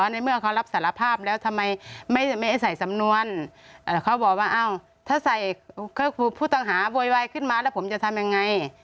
ในเมื่อเขารับสารภาพแล้วทำไมไม่ให้ใส่สำนวนเขาบอกว่าถ้าใส่ผู้ต้องหาโวยวายขึ้นมาแล้วผมจะทำยังไง